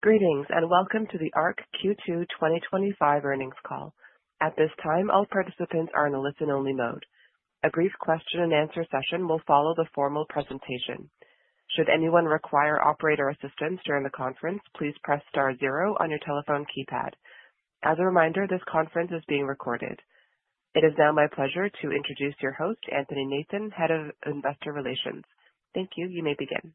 Greetings and welcome to the Arq Q2 2025 Earnings Call. At this time, all participants are in a listen-only mode. A brief question and answer session will follow the formal presentation. Should anyone require operator assistance during the conference, please press star zero on your telephone keypad. As a reminder, this conference is being recorded. It is now my pleasure to introduce your host, Anthony Nathan, Head of Investor Relations. Thank you. You may begin.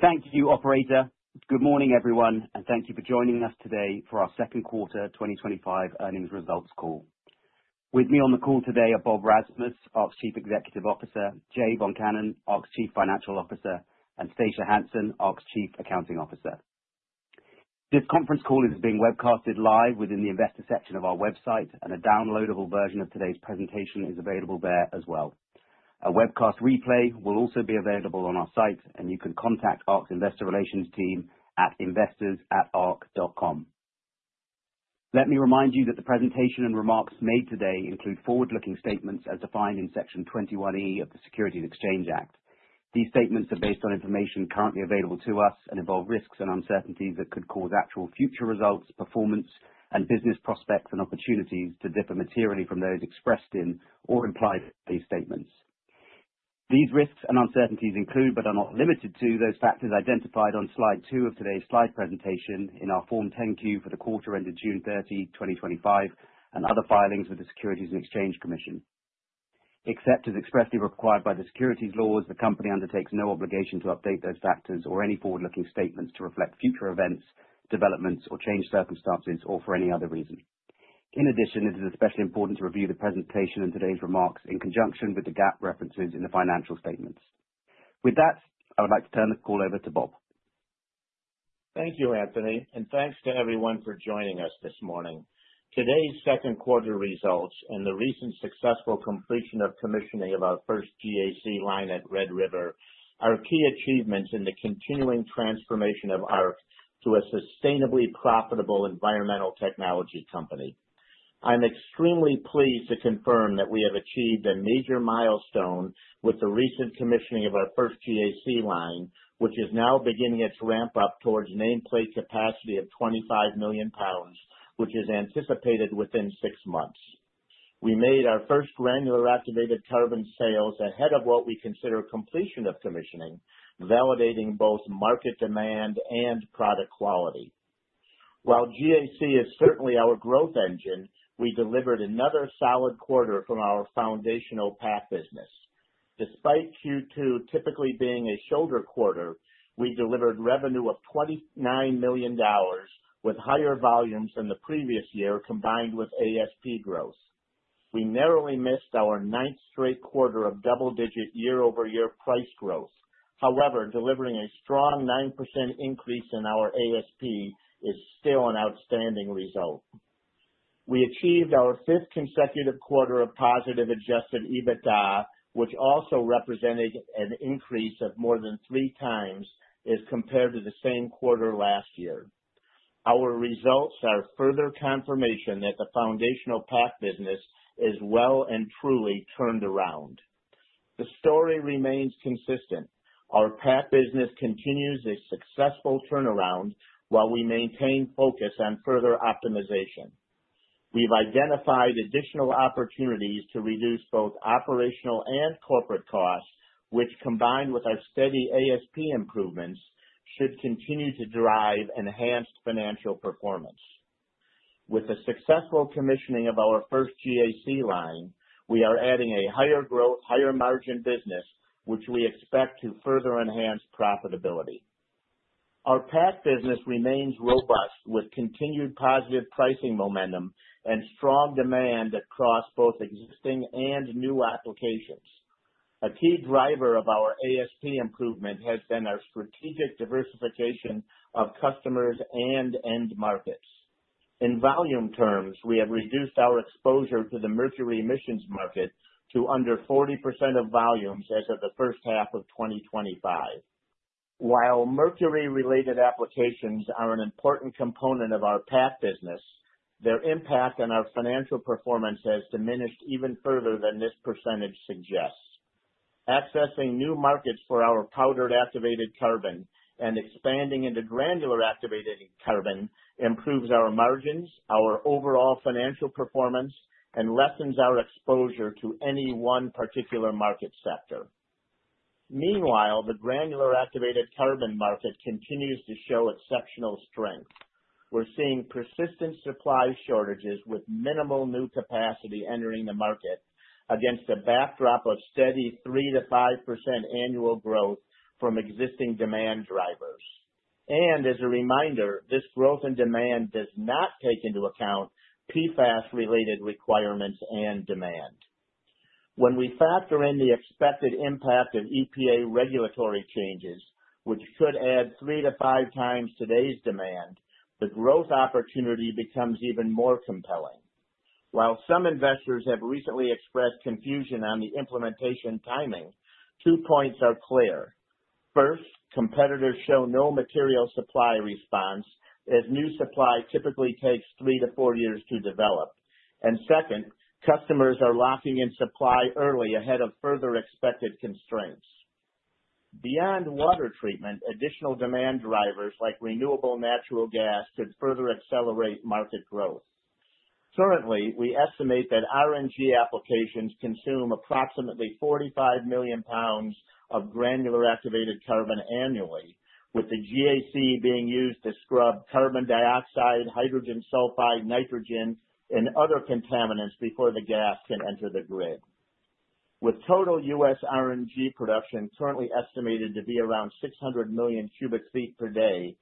Thank you, Operator. Good morning, everyone, and thank you for joining us today for our Second Quarter 2025 Earnings Results Call. With me on the call today are Bob Rasmus, Arq's Chief Executive Officer, Jay Voncannon, Arq's Chief Financial Officer, and Stacia Hansen, Arq's Chief Accounting Officer. This conference call is being webcast live within the Investor section of our website, and a downloadable version of today's presentation is available there as well. A webcast replay will also be available on our site, and you can contact Arq's Investor Relations team at investors@arq.com. Let me remind you that the presentation and remarks made today include forward-looking statements as defined in Section 21E of the Securities and Exchange Act. These statements are based on information currently available to us and involve risks and uncertainties that could cause actual future results, performance, and business prospects and opportunities to differ materially from those expressed in or implied in these statements. These risks and uncertainties include, but are not limited to, those factors identified on slide two of today's slide presentation in our Form 10-Q for the quarter ended June 30, 2025, and other filings with the Securities and Exchange Commission. Except as expressly required by the securities laws, the company undertakes no obligation to update those factors or any forward-looking statements to reflect future events, developments, or changed circumstances, or for any other reason. In addition, it is especially important to review the presentation and today's remarks in conjunction with the GAAP references in the financial statements. With that, I would like to turn the call over to Bob. Thank you, Anthony, and thanks to everyone for joining us this morning. Today's second quarter results and the recent successful completion of commissioning of our first GAC line at Red River are key achievements in the continuing transformation of Arq to a sustainably profitable environmental technology company. I'm extremely pleased to confirm that we have achieved a major milestone with the recent commissioning of our first GAC line, which is now beginning its ramp-up towards nameplate capacity of 25 million pounds, which is anticipated within six months. We made our first granular activated carbon sales ahead of what we consider completion of commissioning, validating both market demand and product quality. While GAC is certainly our growth engine, we delivered another solid quarter from our foundational PAC business. Despite Q2 typically being a shoulder quarter, we delivered revenue of $29 million with higher volumes than the previous year, combined with ASP growth. We narrowly missed our ninth straight quarter of double-digit year-over-year price growth. However, delivering a strong 9% increase in our ASP is still an outstanding result. We achieved our fifth consecutive quarter of positive adjusted EBITDA, which also represented an increase of more than 3x as compared to the same quarter last year. Our results are further confirmation that the foundational PAC business is well and truly turned around. The story remains consistent: our PAC business continues a successful turnaround while we maintain focus on further optimization. We've identified additional opportunities to reduce both operational and corporate costs, which, combined with our steady ASP improvements, should continue to drive enhanced financial performance. With the successful commissioning of our first GAC line, we are adding a higher growth, higher margin business, which we expect to further enhance profitability. Our PAC business remains robust with continued positive pricing momentum and strong demand across both existing and new applications. A key driver of our ASP improvement has been our strategic diversification of customers and end markets. In volume terms, we have reduced our exposure to the mercury emissions market to under 40% of volumes as of the first half of 2025. While mercury-related applications are an important component of our PAC business, their impact on our financial performance has diminished even further than this percentage suggests. Accessing new markets for our powdered activated carbon and expanding into granular activated carbon improves our margins, our overall financial performance, and lessens our exposure to any one particular market sector. Meanwhile, the granular activated carbon market continues to show exceptional strength. We're seeing persistent supply shortages with minimal new capacity entering the market against a backdrop of steady 3%-5% annual growth from existing demand drivers. As a reminder, this growth in demand does not take into account PFAS-related requirements and demand. When we factor in the expected impact of EPA regulatory changes, which could add three to five times today's demand, the growth opportunity becomes even more compelling. While some investors have recently expressed confusion on the implementation timing, two points are clear. First, competitors show no material supply response as new supply typically takes three to four years to develop. Second, customers are locking in supply early ahead of further expected constraints. Beyond water treatment, additional demand drivers like renewable natural gas could further accelerate market growth. Currently, we estimate that RNG applications consume approximately 45 million pounds of granular activated carbon annually, with the GAC being used to scrub carbon dioxide, hydrogen sulfide, nitrogen, and other contaminants before the gas can enter the grid. With total U.S. RNG production currently estimated to be around 600 million cubic feet per day,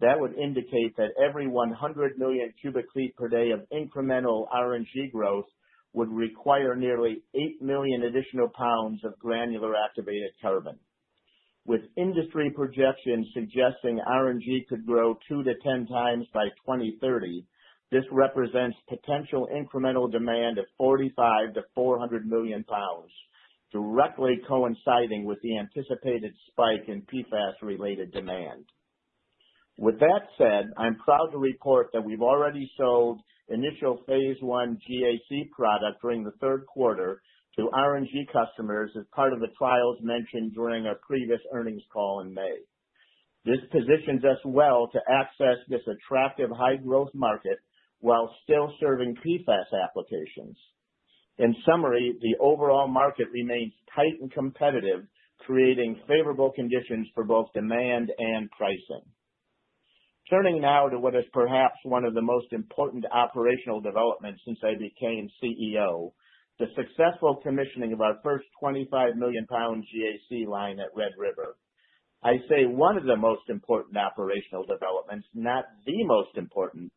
that would indicate that every 100 million cubic feet per day of incremental RNG growth would require nearly 8 million additional pounds of granular activated carbon. With industry projections suggesting RNG could grow 2x-10x by 2030, this represents potential incremental demand of 45 million-400 million pounds, directly coinciding with the anticipated spike in PFAS-related demand. With that said, I'm proud to report that we've already sold initial phase one GAC product during the third quarter to RNG customers as part of the trials mentioned during our previous earnings call in May. This positions us well to access this attractive high-growth market while still serving PFAS applications. In summary, the overall market remains tight and competitive, creating favorable conditions for both demand and pricing. Turning now to what is perhaps one of the most important operational developments since I became CEO: the successful commissioning of our first 25 million pound GAC line at Red River. I say one of the most important operational developments, not the most important,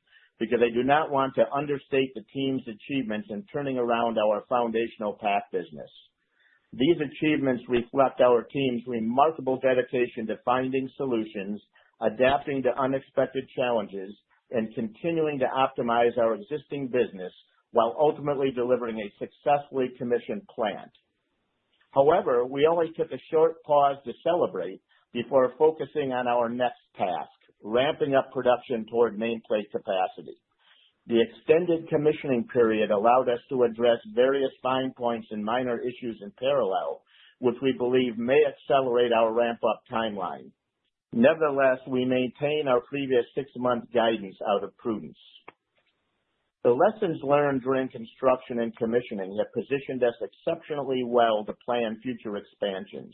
because I do not want to understate the team's achievements in turning around our foundational PAC business. These achievements reflect our team's remarkable dedication to finding solutions, adapting to unexpected challenges, and continuing to optimize our existing business while ultimately delivering a successfully commissioned plant. However, we only took a short pause to celebrate before focusing on our next task: ramping up production toward nameplate capacity. The extended commissioning period allowed us to address various fine points and minor issues in parallel, which we believe may accelerate our ramp-up timeline. Nevertheless, we maintain our previous six-month guidance out of prudence. The lessons learned during construction and commissioning have positioned us exceptionally well to plan future expansions.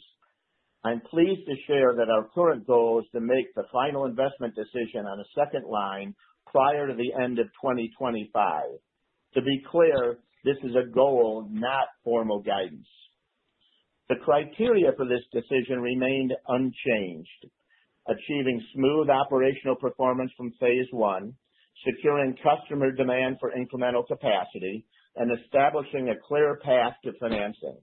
I'm pleased to share that our current goal is to make the final investment decision on a second line prior to the end of 2025. To be clear, this is a goal, not formal guidance. The criteria for this decision remained unchanged: achieving smooth operational performance from phase I, securing customer demand for incremental capacity, and establishing a clear path to financing.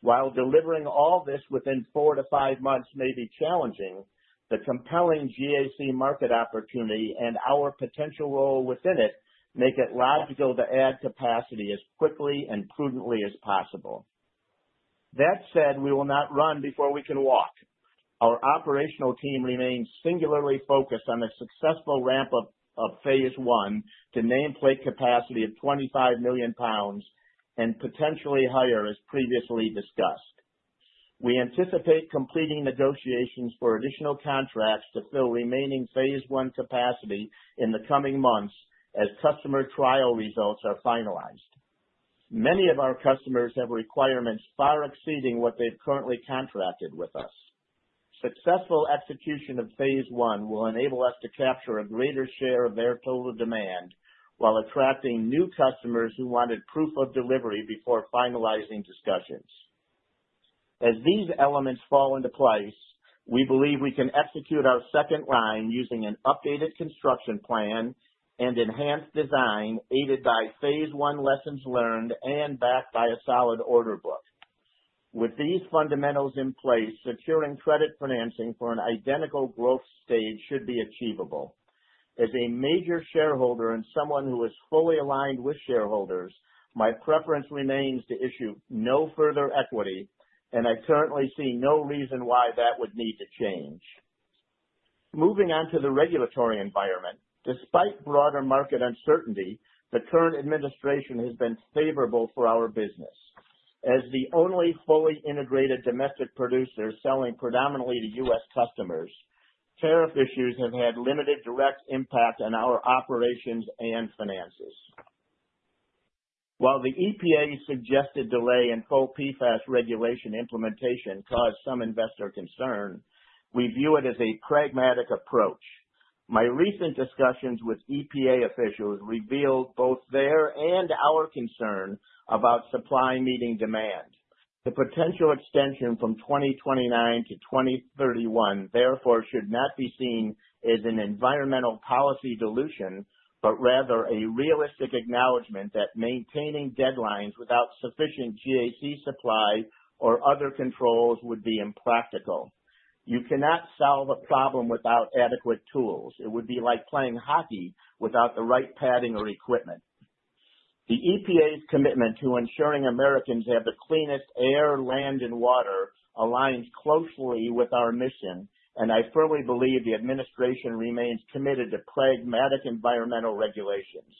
While delivering all this within four to five months may be challenging, the compelling GAC market opportunity and our potential role within it make it logical to add capacity as quickly and prudently as possible. That said, we will not run before we can walk. Our operational team remains singularly focused on a successful ramp-up of phase one to nameplate capacity of 25 million pounds and potentially higher, as previously discussed. We anticipate completing negotiations for additional contracts to fill remaining phase one capacity in the coming months as customer trial results are finalized. Many of our customers have requirements far exceeding what they've currently contracted with us. Successful execution of phase one will enable us to capture a greater share of their total demand while attracting new customers who wanted proof of delivery before finalizing discussions. As these elements fall into place, we believe we can execute our second line using an updated construction plan and enhanced design aided by phase I lessons learned and backed by a solid order book. With these fundamentals in place, securing credit financing for an identical growth stage should be achievable. As a major shareholder and someone who is fully aligned with shareholders, my preference remains to issue no further equity, and I currently see no reason why that would need to change. Moving on to the regulatory environment, despite broader market uncertainty, the current administration has been favorable for our business. As the only fully integrated domestic producer selling predominantly to U.S. customers, tariff issues have had limited direct impact on our operations and finances. While the EPA's suggested delay in full PFAS regulation implementation caused some investor concern, we view it as a pragmatic approach. My recent discussions with EPA officials revealed both their and our concern about supply meeting demand. The potential extension from 2029-2031, therefore, should not be seen as an environmental policy dilution, but rather a realistic acknowledgment that maintaining deadlines without sufficient GAC supply or other controls would be impractical. You cannot solve a problem without adequate tools. It would be like playing hockey without the right padding or equipment. The EPA's commitment to ensuring Americans have the cleanest air, land, and water aligns closely with our mission, and I firmly believe the administration remains committed to pragmatic environmental regulations.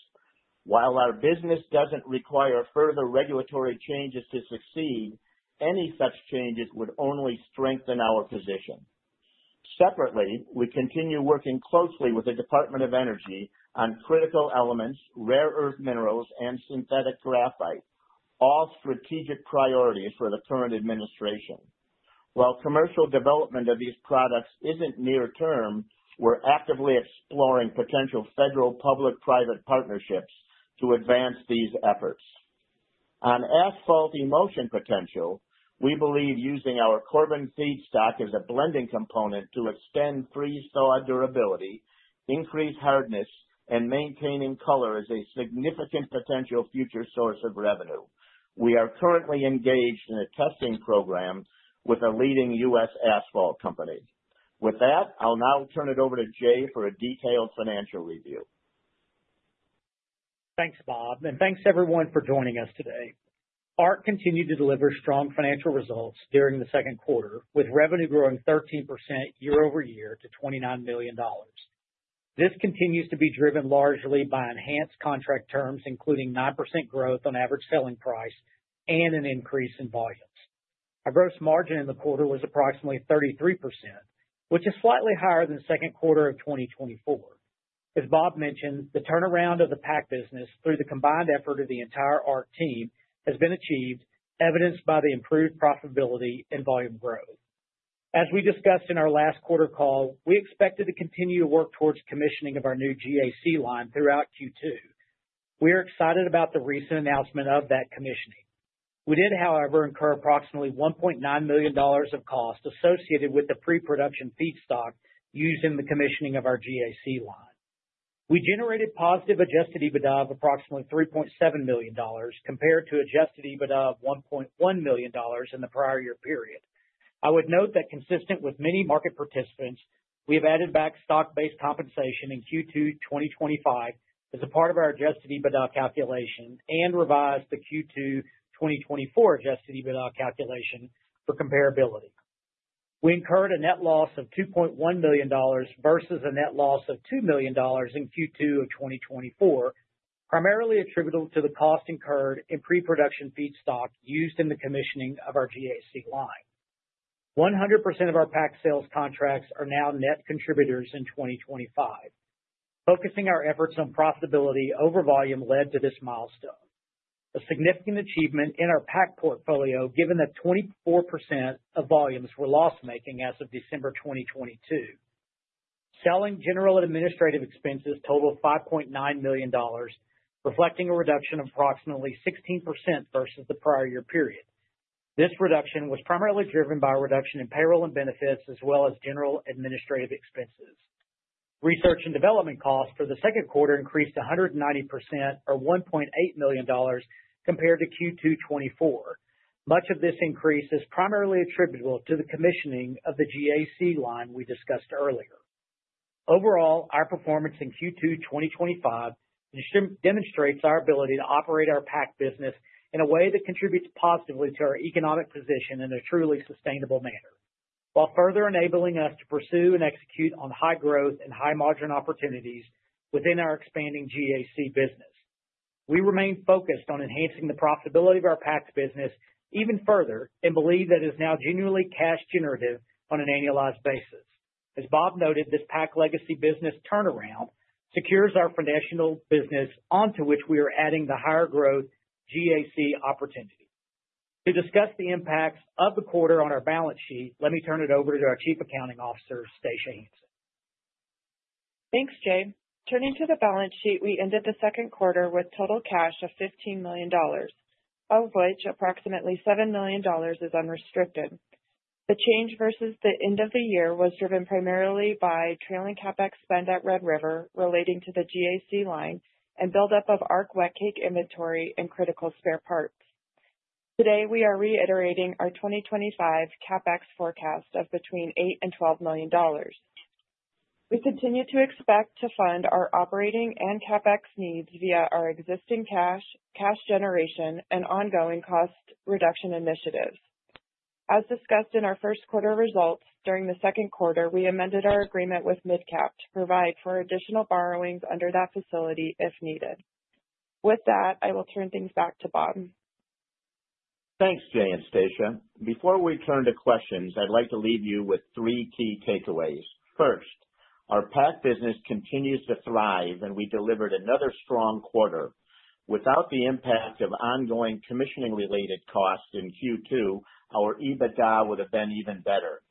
While our business doesn't require further regulatory changes to succeed, any such changes would only strengthen our position. Separately, we continue working closely with the Department of Energy on critical elements, rare earth minerals, and synthetic graphite, all strategic priorities for the current administration. While commercial development of these products isn't near-term, we're actively exploring potential federal-public-private partnerships to advance these efforts. On asphalt emulsion potential, we believe using our carbon feedstock as a blending component to extend freeze-thaw durability, increase hardness, and maintain color is a significant potential future source of revenue. We are currently engaged in a testing program with a leading U.S. asphalt company. With that, I'll now turn it over to Jay for a detailed financial review. Thanks, Bob, and thanks everyone for joining us today. Arq continued to deliver strong financial results during the second quarter, with revenue growing 13% year-over-year to $29 million. This continues to be driven largely by enhanced contract terms, including 9% growth on average selling price and an increase in volumes. Our gross margin in the quarter was approximately 33%, which is slightly higher than the second quarter of 2024. As Bob mentioned, the turnaround of the PAC business through the combined effort of the entire Arq team has been achieved, evidenced by the improved profitability and volume growth. As we discussed in our last quarter call, we expected to continue to work towards commissioning of our new GAC line throughout Q2. We are excited about the recent announcement of that commissioning. We did, however, incur approximately $1.9 million of costs associated with the pre-production feedstock using the commissioning of our GAC line. We generated positive adjusted EBITDA of approximately $3.7 million compared to adjusted EBITDA of $1.1 million in the prior year period. I would note that, consistent with many market participants, we have added back stock-based compensation in Q2 2025 as a part of our adjusted EBITDA calculation and revised the Q2 2024 adjusted EBITDA calculation for comparability. We incurred a net loss of $2.1 million versus a net loss of $2 million in Q2 of 2024, primarily attributable to the cost incurred in pre-production feedstock used in the commissioning of our GAC line. 100% of our PAC sales contracts are now net contributors in 2025. Focusing our efforts on profitability over volume led to this milestone, a significant achievement in our PAC portfolio, given that 24% of volumes were loss-making as of December 2022. Selling, general and administrative expenses totaled $5.9 million, reflecting a reduction of approximately 16% versus the prior year period. This reduction was primarily driven by a reduction in payroll and benefits, as well as general administrative expenses. Research and development costs for the second quarter increased to 190%, or $1.8 million, compared to Q2 2024. Much of this increase is primarily attributable to the commissioning of the GAC line we discussed earlier. Overall, our performance in Q2 2025 demonstrates our ability to operate our PAC business in a way that contributes positively to our economic position in a truly sustainable manner, while further enabling us to pursue and execute on high growth and high margin opportunities within our expanding GAC business. We remain focused on enhancing the profitability of our PAC business even further and believe that it is now genuinely cash-generative on an annualized basis. As Bob noted, this PAC legacy business turnaround secures our foundational business onto which we are adding the higher growth GAC opportunity. To discuss the impacts of the quarter on our balance sheet, let me turn it over to our Chief Accounting Officer, Stacia. Thanks, Jay. Turning to the balance sheet, we ended the second quarter with total cash of $15 million, of which approximately $7 million is unrestricted. The change versus the end of the year was driven primarily by trailing CapEx spend at Red River relating to the GAC line and buildup of Arq wet cake inventory and critical spare parts. Today, we are reiterating our 2025 CapEx forecast of between $8 million and $12 million. We continue to expect to fund our operating and CapEx needs via our existing cash generation and ongoing cost reduction initiatives. As discussed in our first quarter results, during the second quarter, we amended our agreement with MidCap to provide for additional borrowings under that facility if needed. With that, I will turn things back to Bob. Thanks, Jay and Stacia. Before we turn to questions, I'd like to leave you with three key takeaways. First, our PAC business continues to thrive, and we delivered another strong quarter. Without the impact of ongoing commissioning-related costs in Q2, our EBITDA would have been even better.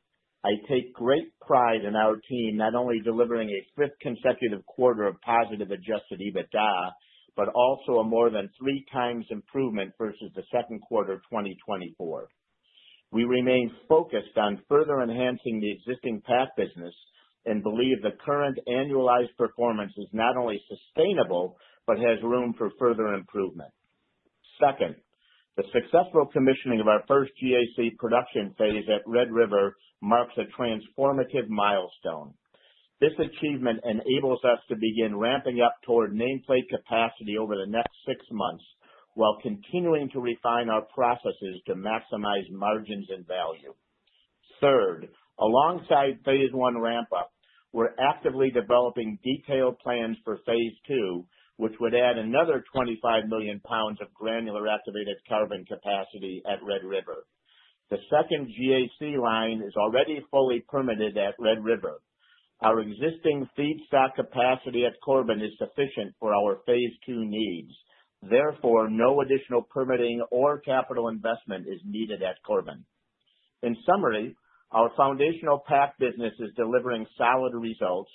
I take great pride in our team not only delivering a fifth consecutive quarter of positive adjusted EBITDA, but also a more than three times improvement versus the second quarter of 2024. We remain focused on further enhancing the existing PAC business and believe the current annualized performance is not only sustainable but has room for further improvement. Second, the successful commissioning of our first GAC production phase at Red River marks a transformative milestone. This achievement enables us to begin ramping up toward nameplate capacity over the next six months while continuing to refine our processes to maximize margins and value. Third, alongside phase one ramp-up, we're actively developing detailed plans for phase two, which would add another 25 million pounds of granular activated carbon capacity at Red River. The second GAC line is already fully permitted at Red River. Our existing feedstock capacity at Corbin is sufficient for our phase two needs. Therefore, no additional permitting or capital investment is needed at Corbin. In summary, our foundational PAC business is delivering solid results.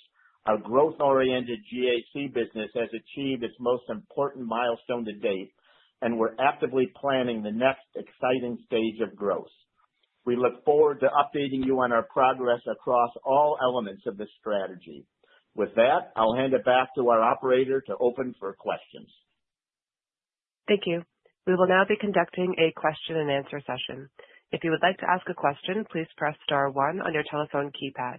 Our growth-oriented GAC business has achieved its most important milestone to date, and we're actively planning the next exciting stage of growth. We look forward to updating you on our progress across all elements of this strategy. With that, I'll hand it back to our operator to open for questions. Thank you. We will now be conducting a question and answer session. If you would like to ask a question, please press star one on your telephone keypad.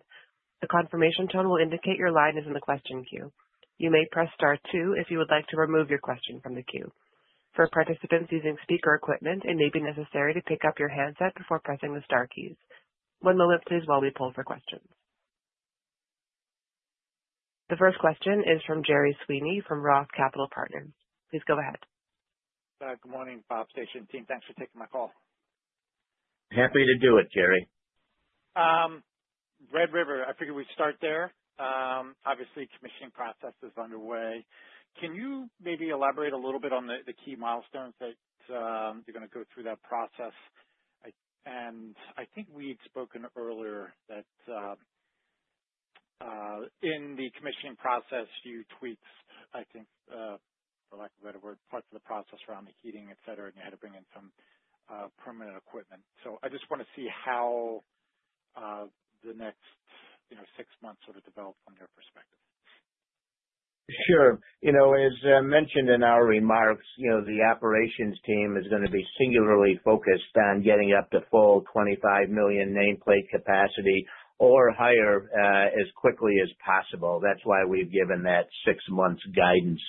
The confirmation tone will indicate your line is in the question queue. You may press star two if you would like to remove your question from the queue. For participants using speaker equipment, it may be necessary to pick up your handset before pressing the star keys. One moment, please, while we pull for questions. The first question is from Gerard Sweeney from ROTH Capital Partners. Please go ahead. Good morning, Bob, Stacia and team, thanks for taking my call. Happy to do it, Gerry. Red River, I figure we start there. Obviously, commissioning process is underway. Can you maybe elaborate a little bit on the key milestones that you're going to go through that process? I think we had spoken earlier that in the commissioning process, you tweaked, I think, for lack of a better word, parts of the process around the heating, etc., and you had to bring in some permanent equipment. I just want to see how the next, you know, six months sort of develop from their perspective. Sure. As I mentioned in our remarks, the operations team is going to be singularly focused on getting up to full 25 million nameplate capacity or higher as quickly as possible. That's why we've given that six months' guidance.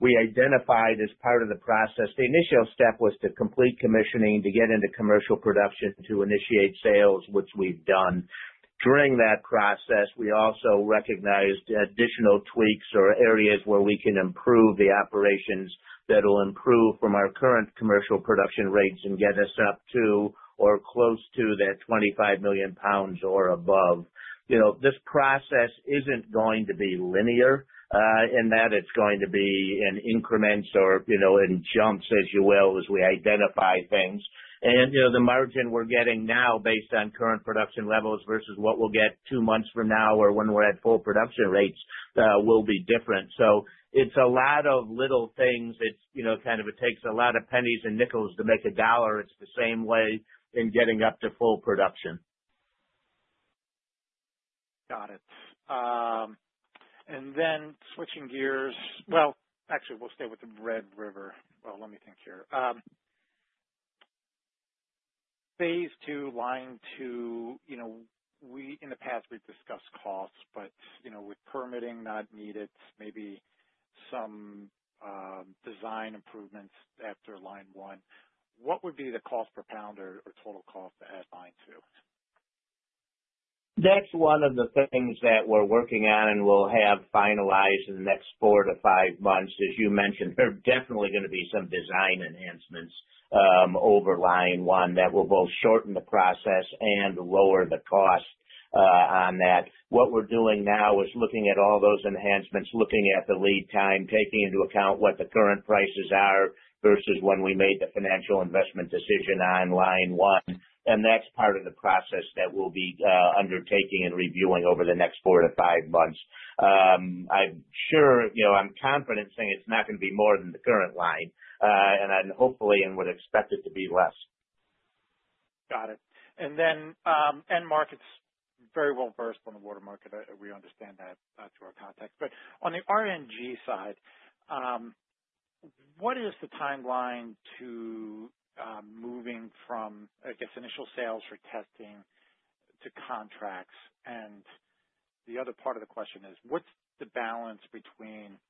We identified as part of the process, the initial step was to complete commissioning to get into commercial production to initiate sales, which we've done. During that process, we also recognized additional tweaks or areas where we can improve the operations that will improve from our current commercial production rates and get us up to or close to that 25 million pounds or above. This process isn't going to be linear in that it's going to be in increments or in jumps, as you will, as we identify things. The margin we're getting now based on current production levels versus what we'll get two months from now or when we're at full production rates will be different. It's a lot of little things. It takes a lot of pennies and nickels to make a dollar. It's the same way in getting up to full production. Got it. Switching gears, actually, we'll stay with the Red River. Let me think here. Phase II, line two, you know, in the past, we've discussed costs, but you know, with permitting not needed, maybe some design improvements after line one. What would be the cost per pound or total cost to add line two? That's one of the things that we're working on, and we'll have finalized in the next four to five months. As you mentioned, there are definitely going to be some design enhancements over line one that will both shorten the process and lower the cost on that. What we're doing now is looking at all those enhancements, looking at the lead time, taking into account what the current prices are versus when we made the financial investment decision on line one. That's part of the process that we'll be undertaking and reviewing over the next four to five months. I'm sure, you know, I'm confident in saying it's not going to be more than the current line, and I hopefully and would expect it to be less. Got it. The end market's very well versed on the water market. We understand that to our context. On the RNG side, what is the timeline to moving from initial sales for testing to contracts? The other part of the question is, what's the balance between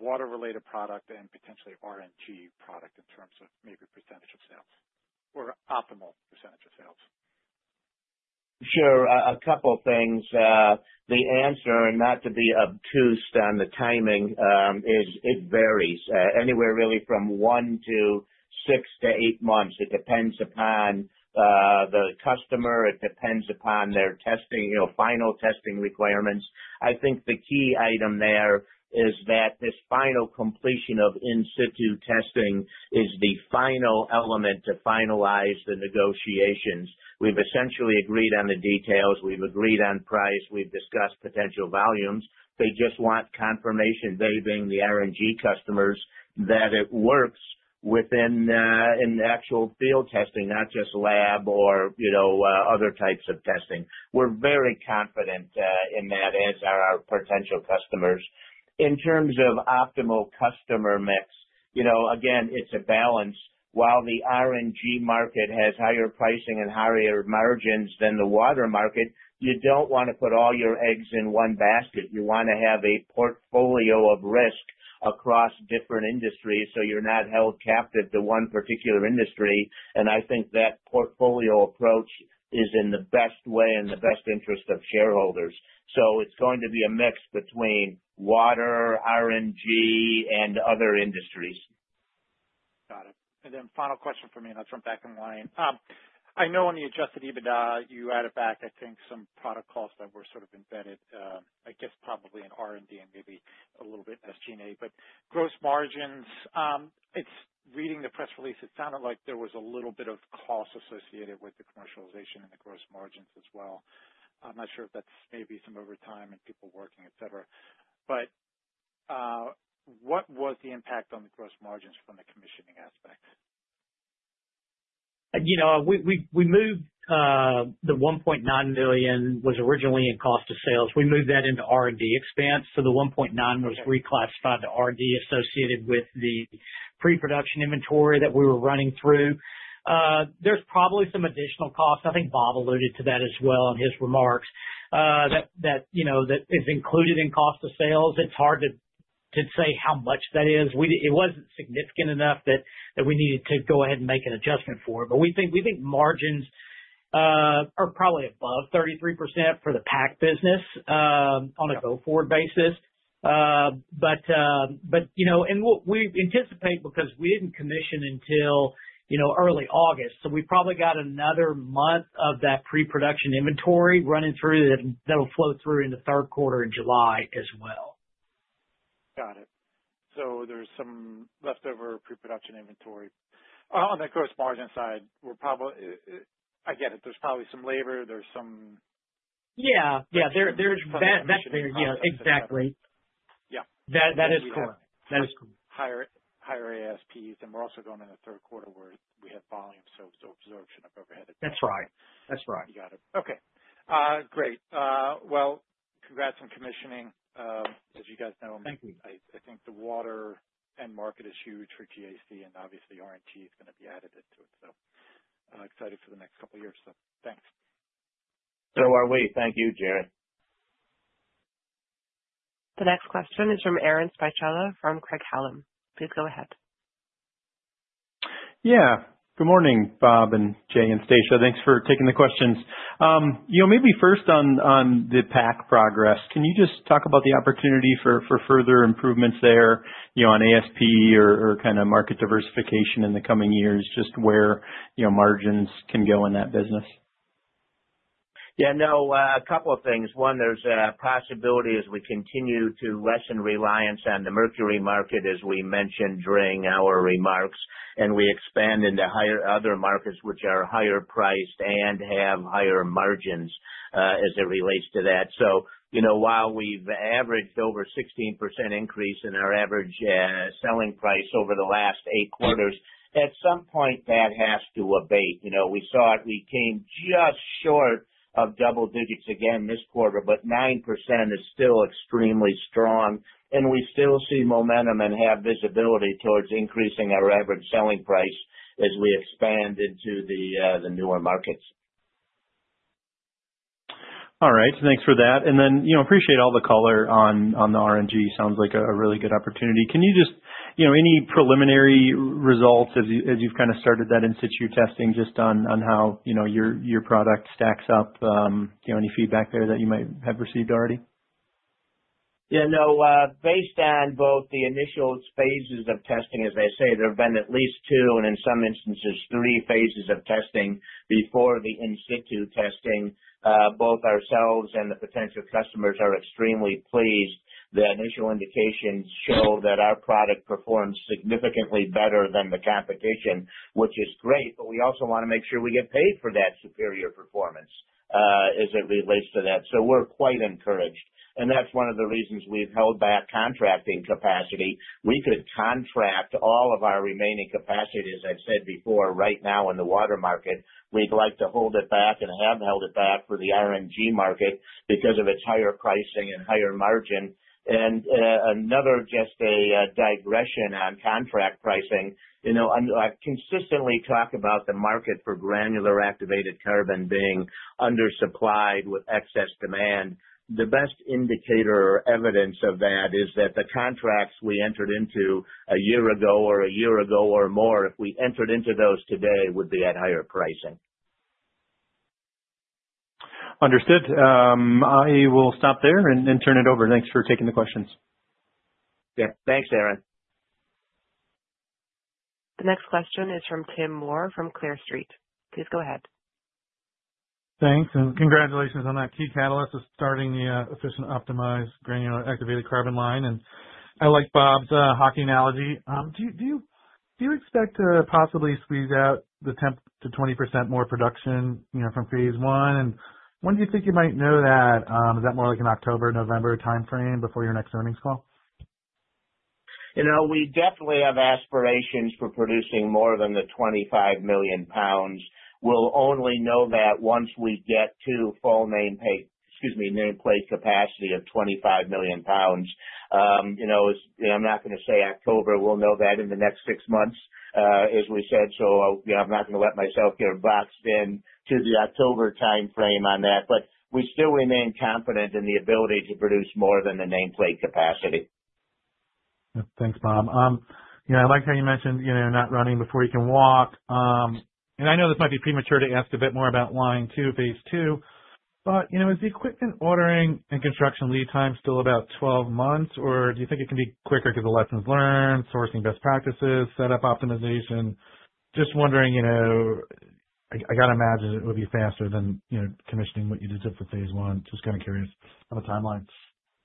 water-related product and potentially RNG product in terms of maybe percentage of sales or optimal % of sales? Sure. A couple of things. The answer, and not to be obtuse on the timing, is it varies anywhere really from one to six to eight months. It depends upon the customer. It depends upon their testing, final testing requirements. I think the key item there is that this final completion of in-situ testing is the final element to finalize the negotiations. We've essentially agreed on the details. We've agreed on price. We've discussed potential volumes. They just want confirmation, they being the RNG customers, that it works within an actual field testing, not just lab or other types of testing. We're very confident in that as are our potential customers. In terms of optimal customer mix, again, it's a balance. While the RNG market has higher pricing and higher margins than the water market, you don't want to put all your eggs in one basket. You want to have a portfolio of risk across different industries so you're not held captive to one particular industry. I think that portfolio approach is in the best interest of shareholders. It's going to be a mix between water, RNG, and other industries. Got it. Final question for me, and I'll jump back in line. I know on the adjusted EBITDA, you added back, I think, some product costs that were sort of embedded, I guess probably in R&D and maybe a little bit SG&A. Gross margins, it's reading the press release, it sounded like there was a little bit of cost associated with the commercialization and the gross margins as well. I'm not sure if that's maybe some overtime and people working, etc. What was the impact on the gross margins from the commissioning aspect? You know. We moved, the $1.9 million was originally in cost of sales. We moved that into R&D expense. The $1.9 million was reclassified to R&D associated with the pre-production inventory that we were running through. There are probably some additional costs. I think Bob alluded to that as well in his remarks, that is included in cost of sales. It's hard to say how much that is. It wasn't significant enough that we needed to go ahead and make an adjustment for it. We think margins are probably above 33% for the PAC business on a go-forward basis. What we anticipate, because we didn't commission until early August, is that we probably got another month of that pre-production inventory running through that will flow through in the third quarter in July as well. Got it. There's some leftover pre-production inventory. On the gross margin side, we're probably, I get it. There's probably some labor. There's some. Yeah, exactly. Yeah. That is correct. That is correct. Higher ASPs, and we're also going into the third quarter where we had volume ups or absorption overhead. That's right. That's right. You got it. Okay, great. Congrats on commissioning, as you guys know. Thank you. I think the water end market is huge for GAC, and obviously, RNG is going to be added into it. Excited for the next couple of years, so thanks. Thank you, Jerry. The next question is from Aaron Spychalla from Craig-Hallum. Please go ahead. Yeah. Good morning, Bob and Jay and Stacia. Thanks for taking the questions. Maybe first on the PAC progress, can you just talk about the opportunity for further improvements there, on ASP or kind of market diversification in the coming years, just where margins can go in that business? Yeah. A couple of things. One, there's a possibility as we continue to lessen reliance on the mercury emissions market, as we mentioned during our remarks, and we expand into other markets which are higher priced and have higher margins as it relates to that. While we've averaged over a 16% increase in our average selling price over the last eight quarters, at some point, that has to abate. We saw it. We came just short of double digits again this quarter, but 9% is still extremely strong. We still see momentum and have visibility towards increasing our average selling price as we expand into the newer markets. All right. Thanks for that. I appreciate all the color on the RNG. Sounds like a really good opportunity. Can you just share any preliminary results as you've started that in-situ testing, just on how your product stacks up? Any feedback there that you might have received already? Yeah. No. Based on both the initial phases of testing, as I say, there have been at least two, and in some instances, three phases of testing before the in-situ testing. Both ourselves and the potential customers are extremely pleased. The initial indications show that our product performs significantly better than the competition, which is great, but we also want to make sure we get paid for that superior performance as it relates to that. We're quite encouraged. That's one of the reasons we've held back contracting capacity. We could contract all of our remaining capacity, as I've said before, right now in the water market. We'd like to hold it back and have held it back for the RNG market because of its higher pricing and higher margin. Just a digression on contract pricing. I consistently talk about the market for granular activated carbon being undersupplied with excess demand. The best indicator or evidence of that is that the contracts we entered into a year ago or a year ago or more, if we entered into those today, would be at higher pricing. Understood. I will stop there and turn it over. Thanks for taking the questions. Yeah, thanks, Aaron. The next question is from Tim Moore from ClearStreet. Please go ahead. Thanks. Congratulations on that key catalyst of starting the efficient optimized granular activated carbon line. I like Bob's hockey analogy. Do you expect to possibly squeeze out the 10%-20% more production from phase one? When do you think you might know that? Is that more like an October, November timeframe before your next earnings call? We definitely have aspirations for producing more than the 25 million pounds. We'll only know that once we get to full nameplate capacity of 25 million pounds. I'm not going to say October. We'll know that in the next six months, as we said. I'm not going to let myself get boxed into the October timeframe on that. We still remain confident in the ability to produce more than the nameplate capacity. Thanks, Bob. I like how you mentioned you're not running before you can walk. I know this might be premature to ask a bit more about line two, phase two, but is the equipment ordering and construction lead time still about 12 months, or do you think it can be quicker because of lessons learned, sourcing best practices, setup optimization? Just wondering, I got to imagine it would be faster than commissioning what you did for phase I. Just kind of curious on the timeline.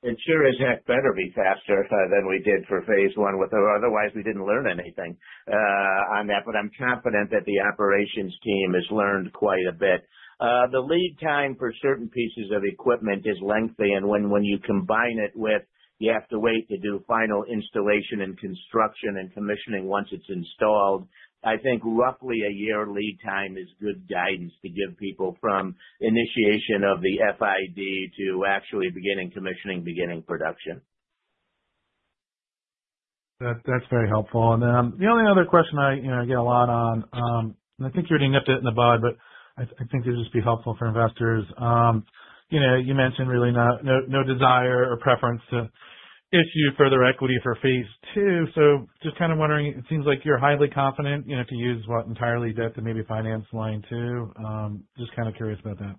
It sure is better to be faster than we did for phase I, but otherwise, we didn't learn anything on that. I'm confident that the operations team has learned quite a bit. The lead time for certain pieces of equipment is lengthy, and when you combine it with you have to wait to do final installation and construction and commissioning once it's installed, I think roughly a year lead time is good guidance to give people from initiation of the FID to actually beginning commissioning, beginning production. That's very helpful. The only other question I get a lot on, and I think you already nipped it in the bud, but I think it'd just be helpful for investors. You mentioned really no desire or preference to issue further equity for phase II. Just kind of wondering, it seems like you're highly confident to use what, entirely debt to maybe finance line two. Just kind of curious about that.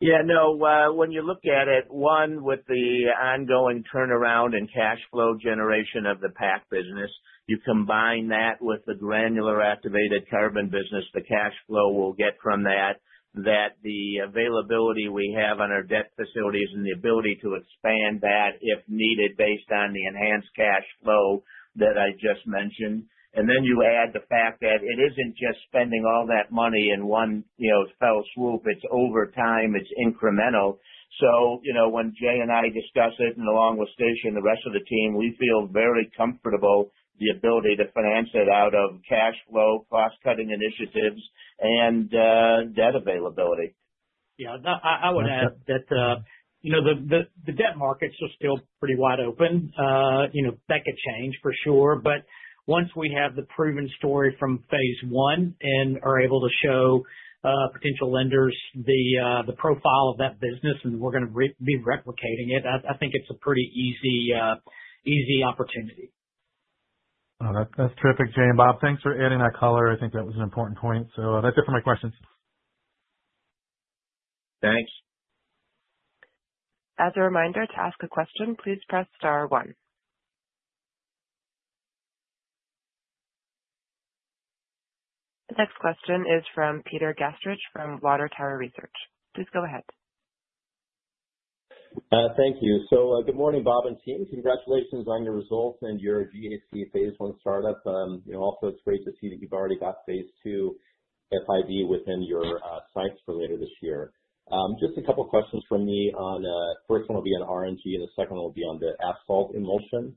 Yeah. No. When you look at it, one, with the ongoing turnaround and cash flow generation of the PAC business, you combine that with the granular activated carbon business, the cash flow we'll get from that, the availability we have on our debt facilities and the ability to expand that if needed based on the enhanced cash flow that I just mentioned. You add the fact that it isn't just spending all that money in one, you know, fell swoop. It's over time. It's incremental. When Jay and I discuss it, and along with Stacia and the rest of the team, we feel very comfortable with the ability to finance it out of cash flow, cost-cutting initiatives, and debt availability. I would add that the debt markets are still pretty wide open. That could change for sure, but once we have the proven story from phase one and are able to show potential lenders the profile of that business and we're going to be replicating it, I think it's a pretty easy, easy opportunity. Oh, that's terrific, Jay and Bob. Thanks for adding that color. I think that was an important point. That is it for my questions. Thanks. As a reminder, to ask a question, please press star one. The next question is from Peter Gastreich from Water Tower Research. Please go ahead. Thank you. Good morning, Bob and team. Congratulations on your results and your GAC phase I startup. It's great to see that you've already got phase two FID within your sights for later this year. Just a couple of questions from me. The first one will be on RNG, and the second one will be on the asphalt emulsion.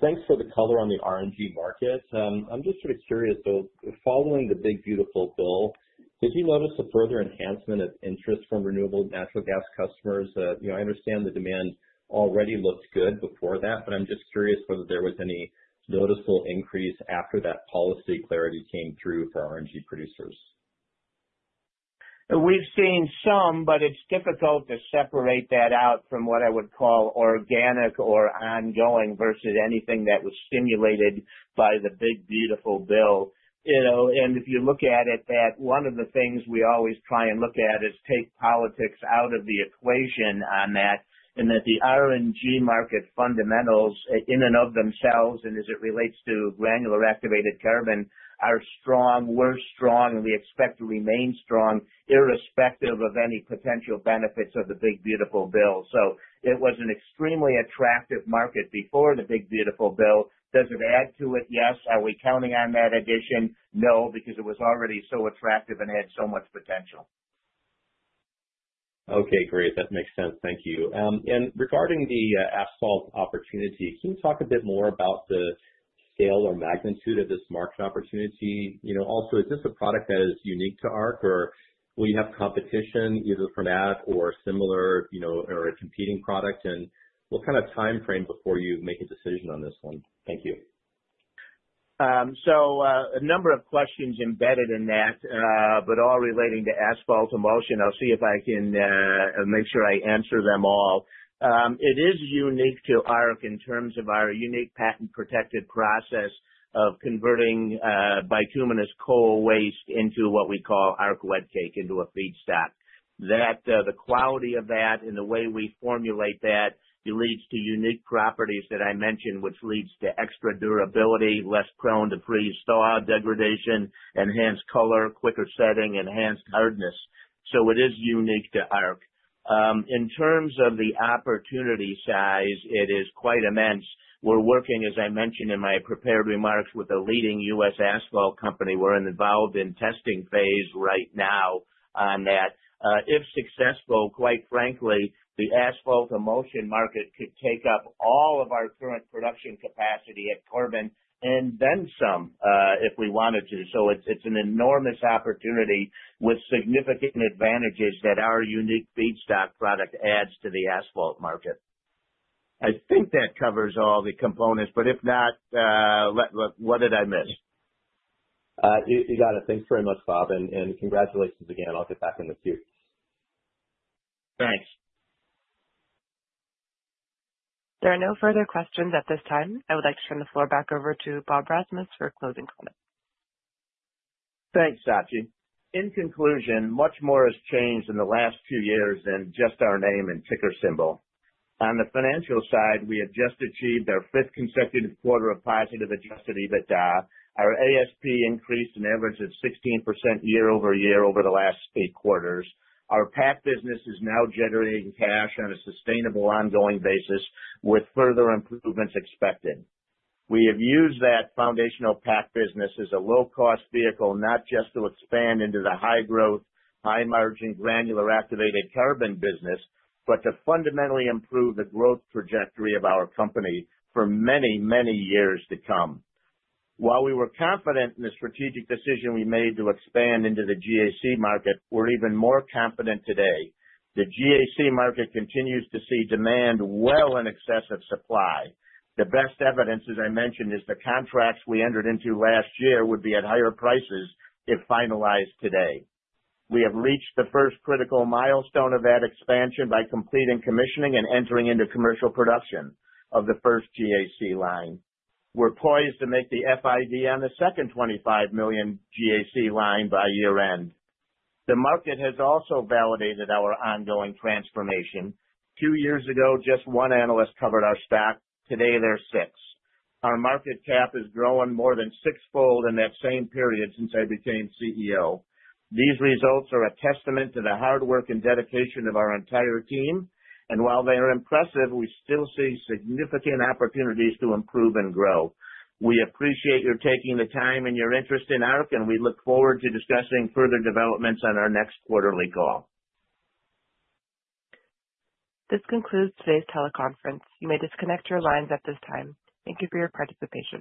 Thanks for the color on the RNG market. I'm just sort of curious, following the Big Beautiful Bill, did you notice a further enhancement of interest from renewable natural gas customers? I understand the demand already looked good before that, but I'm just curious whether there was any noticeable increase after that policy clarity came through for RNG producers. We've seen some, but it's difficult to separate that out from what I would call organic or ongoing versus anything that was stimulated by the Big Beautiful Bill. If you look at it, one of the things we always try and look at is take politics out of the equation on that and that the RNG market fundamentals in and of themselves, and as it relates to granular activated carbon, are strong, were strong, and we expect to remain strong irrespective of any potential benefits of the Big Beautiful Bill. It was an extremely attractive market before the Big Beautiful Bill. Does it add to it? Yes. Are we counting on that addition? No, because it was already so attractive and had so much potential. Okay. Great. That makes sense. Thank you. Regarding the asphalt opportunity, can you talk a bit more about the scale or magnitude of this market opportunity? Also, is this a product that is unique to Arq, or will you have competition either from that or similar, you know, or a competing product? What kind of timeframe before you make a decision on this one? Thank you. A number of questions embedded in that, but all relating to asphalt emulsion. I'll see if I can make sure I answer them all. It is unique to Arq in terms of our unique patent-protected process of converting bituminous coal waste into what we call Arq Wet Cake, into a feedstock. The quality of that and the way we formulate that leads to unique properties that I mentioned, which leads to extra durability, less prone to freeze-thaw degradation, enhanced color, quicker setting, enhanced hardness. It is unique to Arq. In terms of the opportunity size, it is quite immense. We're working, as I mentioned in my prepared remarks, with a leading U.S. Asphalt company. We're involved in testing phase right now on that. If successful, quite frankly, the asphalt emulsion market could take up all of our current production capacity at Corbin and then some if we wanted to. It's an enormous opportunity with significant advantages that our unique feedstock product adds to the asphalt market. I think that covers all the components, but if not, what did I miss? You got it. Thanks very much, Bob, and congratulations again. I'll get back in with you. Thanks. There are no further questions at this time. I would like to turn the floor back over to Bob Rasmus for closing comments. Thanks, Stacia. In conclusion, much more has changed in the last two years than just our name and ticker symbol. On the financial side, we had just achieved our fifth consecutive quarter of positive adjusted EBITDA. Our ASP increased an average of 16% year-over-year over the last eight quarters. Our PAC business is now generating cash on a sustainable ongoing basis with further improvements expected. We have used that foundational PAC business as a low-cost vehicle, not just to expand into the high growth, high margin granular activated carbon business, but to fundamentally improve the growth trajectory of our company for many, many years to come. While we were confident in the strategic decision we made to expand into the GAC market, we're even more confident today. The GAC market continues to see demand well in excess of supply. The best evidence, as I mentioned, is the contracts we entered into last year would be at higher prices if finalized today. We have reached the first critical milestone of that expansion by completing commissioning and entering into commercial production of the first GAC line. We're poised to make the FID on the second $25 million GAC line by year-end. The market has also validated our ongoing transformation. Two years ago, just one analyst covered our stack. Today, there are six. Our market cap has grown more than six-fold in that same period since I became CEO. These results are a testament to the hard work and dedication of our entire team. While they are impressive, we still see significant opportunities to improve and grow. We appreciate your taking the time and your interest in Arq, and we look forward to discussing further developments on our next quarterly call. This concludes today's teleconference. You may disconnect your lines at this time. Thank you for your participation.